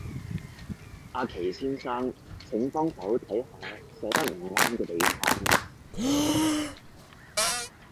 阿祁先生，請幫手睇下寫得唔啱嘅地方